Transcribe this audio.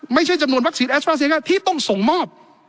ไม่ใช่จำนวนวัคซีนแอสตราเซกาที่ต้องส่งมอบ